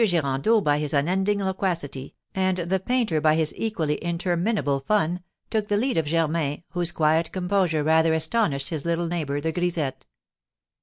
Girandeau by his unending loquacity, and the painter by his equally interminable fun, took the lead of Germain, whose quiet composure rather astonished his little neighbour, the grisette.